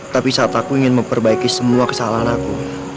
tapi saat aku ingin memperbaiki semua kesalahan aku